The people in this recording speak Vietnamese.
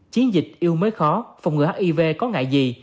chiến dịch yêu mới khó phòng ngừa hiv có ngại gì